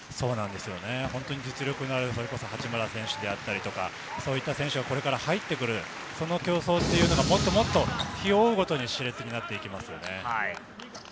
実力のある八村選手だったり、そういう選手がこれから入ってくる、その競争がもっともっと日を追うごとに刺激になっていきますよね。